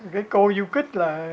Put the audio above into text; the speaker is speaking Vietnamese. cái cô du kích là